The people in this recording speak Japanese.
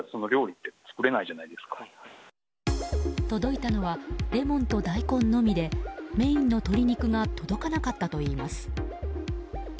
届いたのはレモンと大根のみでメインの鶏肉が届かなかったといいます。